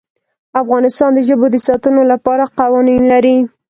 افغانستان د ژبو د ساتنې لپاره قوانین لري.